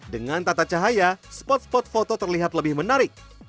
dengan tata cahaya spot spot foto terlihat lebih menarik